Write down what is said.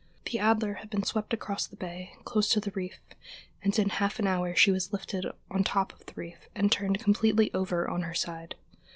The Adler had been swept across the bay, close to the reef, and in half an hour she was lifted on top of the reef and turned completely over on her side.